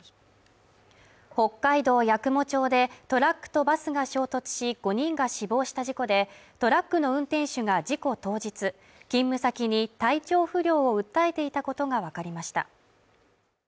北海道八雲町でトラックとバスが衝突し、５人が死亡した事故でトラックの運転手が事故当日、勤務先に体調不良を訴えていたことがわかりました。